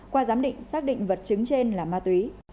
qua giám định xác định vật chứng trên là ma túy